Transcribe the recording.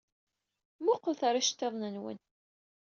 Mmuqqlet ɣer yiceḍḍiḍen-nwen!